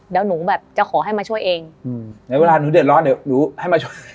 เดี๋ยวหนูแบบจะขอให้มาช่วยเองอืมไหนเวลาหนูเดือดร้อนเดี๋ยวหนูให้มาช่วย